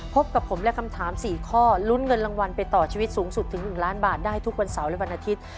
พบกับผมและคำถาม๔ข้อลุ้นเงินรางวัลไปต่อชีวิตสูงสุดถึง๑ล้านบาทได้ทุกวันเสาร์และวันอาทิตย์